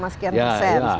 empat belas sekian persen